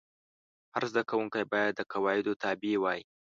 هر زده کوونکی باید د قواعدو تابع وای.